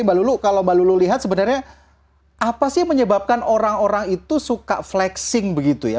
mbak lulu kalau mbak lulu lihat sebenarnya apa sih yang menyebabkan orang orang itu suka flexing begitu ya